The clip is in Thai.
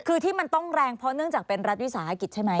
คือที่มันต้องแรงเพราะเนื่องจากเป็นรัฐวิสาหกิจใช่ไหม